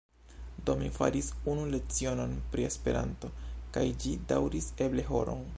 Do, mi faris unu lecionon pri Esperanto, kaj ĝi daŭris eble horon.